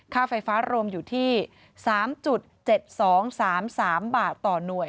ค่าไฟฟ้ารวมอยู่ที่๓๗๒๓๓บาทต่อหน่วย